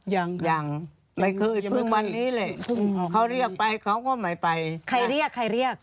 ยังยังไม่ขึ้นทุกวันนี้แหละเขาเรียกไปเขาก็ไม่ไปใครเรียกใครเรียก